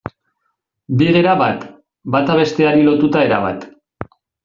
Bi gera bat, bata besteari lotuta erabat.